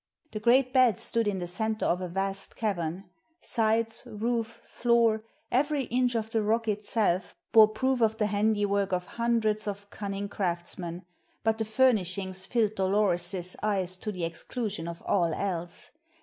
The great bed stood in the center of a vast cavern; sides, roof, floor, every inch of the rock itself bore proof of the handiwork of hundreds of cunning craftsmen; but the furnishings filled Dolores's eyes to the exclusion of all else.